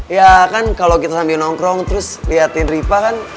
ya kan kalau kita sambil nongkrong terus liatin ripa kan